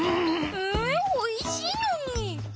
えおいしいのに。